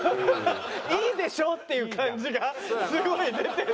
「いいでしょ？」っていう感じがすごい出てる。